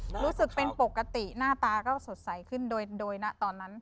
รู้สึกเป็นปกติหน้าตาก็สดใสขึ้นโดยนะตอนนั้น